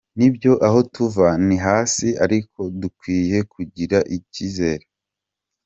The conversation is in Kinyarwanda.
Nibyo aho tuva ni hasi ariko dukwiye kugira ikizere.